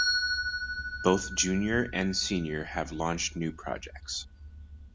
Both Junior and Senior have launched new projects.